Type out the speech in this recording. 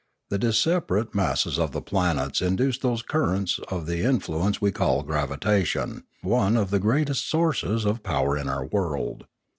The disparate masses of the planets induced those currents of influ ence we call gravitation, one of the greatest sources of power in our world.